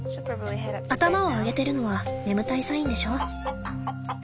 頭を上げてるのは眠たいサインでしょ。